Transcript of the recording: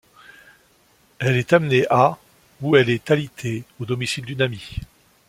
Elle est amenée à où elle est alitée au domicile d'une amie.